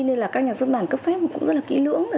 nên là các nhà xuất bản cấp phép cũng rất là kỹ lưỡng